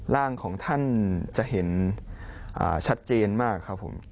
ร่างของท่านจะเห็นชัดเจนมากครับผม